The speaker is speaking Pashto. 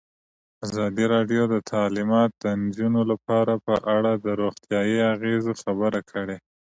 ازادي راډیو د تعلیمات د نجونو لپاره په اړه د روغتیایي اغېزو خبره کړې.